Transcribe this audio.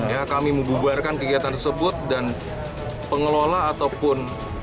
ya kami membubarkan kegiatan tersebut dan pengelola ataupun